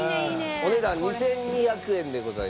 お値段２２００円でございます。